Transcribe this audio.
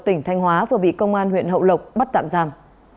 tỉnh thanh hóa vừa bị công an huyện hậu lộc bắt tạm giam